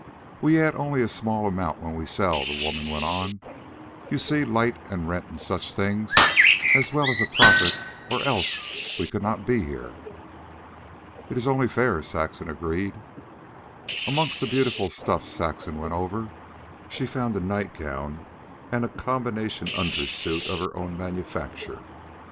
"We add only a small amount when we sell," the woman went on; "you see, light and rent and such things, as well as a profit or else we could not be here." "It's only fair," Saxon agreed. Amongst the beautiful stuff Saxon went over, she found a nightgown and a combination undersuit of her own manufacture.